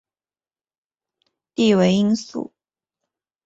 弟为应傃。